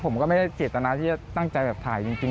ผมก็ไม่ได้เจตนาที่จะตั้งใจแบบถ่ายจริง